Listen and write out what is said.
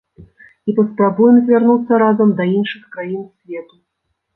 І паспрабуем звярнуцца разам да іншых краін свету.